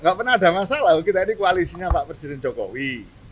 gak pernah ada masalah kita ini koalisinya pak presiden jokowi